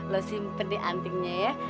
lu simpen deh antingnya ya